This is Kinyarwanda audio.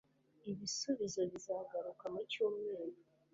ibisubizo bizagaruka mu cyumweru